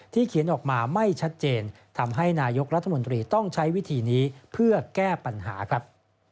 เขียนออกมาไม่ชัดเจนทำให้นายกรัฐมนตรีต้องใช้วิธีนี้เพื่อแก้ปัญหาครับ